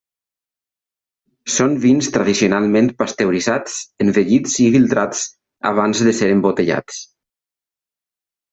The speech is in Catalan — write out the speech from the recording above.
Són vins tradicionalment pasteuritzats, envellits i filtrats abans de ser embotellats.